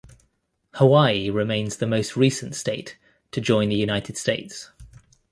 Hawaii remains the most recent state to join the United States.